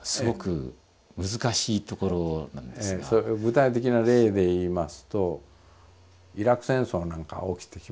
具体的な例で言いますとイラク戦争なんか起きてきますね。